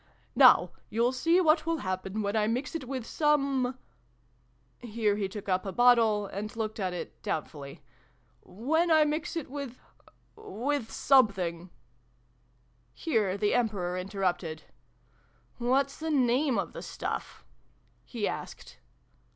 Now you'll see what will happen when I mix it with Some ' here he took up a bottle, and looked at it doubtfully, " when I mix it with with Something Here the Emperor interrupted. " What's the name of the stuff?" he asked.